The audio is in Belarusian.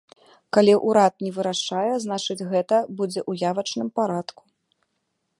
Калі ўрад не вырашае, значыць, гэта будзе ў явачным парадку.